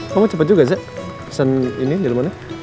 kamu cepet juga zek pesan ini delman nya